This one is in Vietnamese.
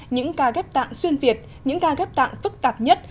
những ca ghép tạng xuyên việt những ca ghép tạng phức tạp nhất